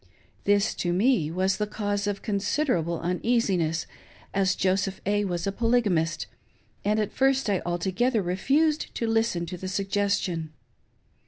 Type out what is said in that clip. This, to me, was the cause of considerable uneasiness, as Joseph A. was a polygg.^ mist, and at first I altogether refused to listen to the suggestion.